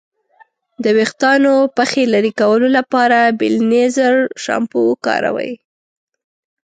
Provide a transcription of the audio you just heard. د ویښتانو پخې لرې کولو لپاره بیلینزر شامپو وکاروئ.